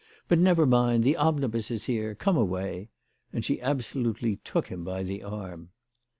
" But never mind. The omnibus is here. Come away." And she absolutely took him by the arm.